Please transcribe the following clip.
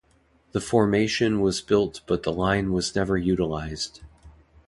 The formation was built but the line was never utilised.